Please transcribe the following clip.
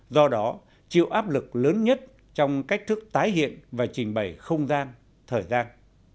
do đó chịu áp lực lớn nhất trong cách thức tái hiện và trình bày không gian thời gian